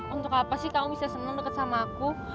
untuk apa sih kamu bisa seneng deket sama aku